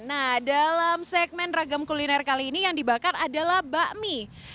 nah dalam segmen ragam kuliner kali ini yang dibakar adalah bakmi